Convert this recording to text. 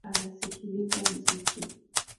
Anasikiliza muziki